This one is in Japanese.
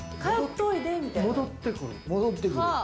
戻ってくる。